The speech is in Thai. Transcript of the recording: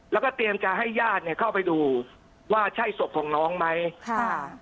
แล้วก็เตรียมจะให้ญาติเนี่ยเข้าไปดูว่าใช่ศพของน้องไหมค่ะ